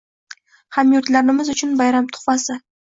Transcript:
Hamyurtlarimiz uchun bayram tuhfasi